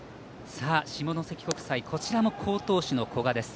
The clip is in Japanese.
下関国際こちらも好投手の古賀です。